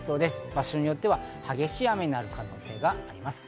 場所によっては激しい雨になる可能性があります。